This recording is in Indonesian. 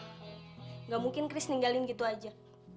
enggak mungkin kris ninggalin gitu aja